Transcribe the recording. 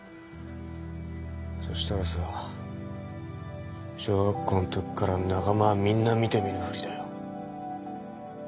そしたらさ小学校んときからの仲間はみんな見て見ぬふりだよ。